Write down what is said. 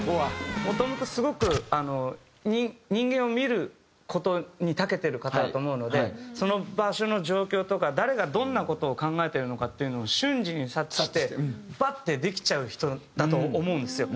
もともとすごくあの人間を見る事にたけてる方だと思うのでその場所の状況とか誰がどんな事を考えてるのかっていうのを瞬時に察知してバッてできちゃう人だと思うんですよ。